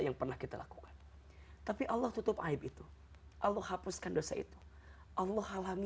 yang pernah kita lakukan tapi allah tutup aib itu allah hapuskan dosa itu allah halami